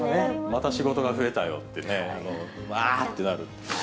また仕事が増えたよって、わーってなる。